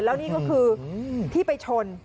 แล้วนี่ก็คือที่ไปชน